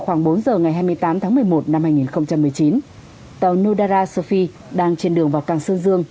bốn h ngày hai mươi tám tháng một mươi một năm hai nghìn một mươi chín tàu nudara sofi đang trên đường vào càng sơn dương